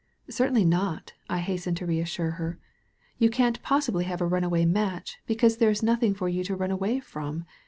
"Certainly not," I hastened to reassure her, "you can't possibly have a runaway match, be cause there is nothing for you to run away from.